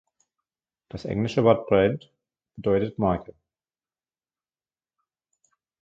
Das englische Wort "brand" bedeutet Marke.